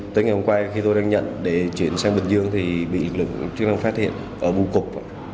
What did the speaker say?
tới ngày hôm qua khi tôi đang nhận để chuyển sang bình dương thì bị lực lượng chức năng phát hiện ở bù cục